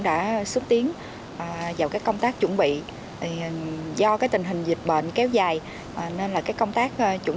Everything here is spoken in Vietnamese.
đã xuất tiến vào các công tác chuẩn bị do cái tình hình dịch bệnh kéo dài nên là các công tác chuẩn